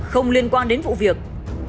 không liên quan đến vụ việc